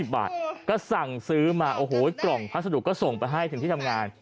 บาทก็สั่งซื้อมาโอ้โหกล่องพัสดุก็ส่งไปให้ถึงที่ทำงาน